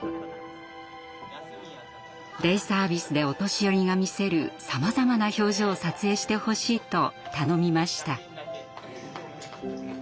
デイサービスでお年寄りが見せるさまざまな表情を撮影してほしいと頼みました。